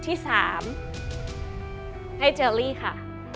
ที่๓ให้เจอรี่ค่ะ